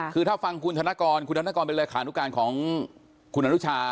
คือถ้าฟังคุณธนกรคุณธนกรเป็นเลขานุการของคุณอนุชา